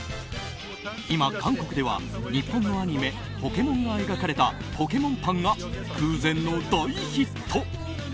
今、韓国では、日本のアニメ「ポケモン」が描かれたポケモンパンが空前の大ヒット。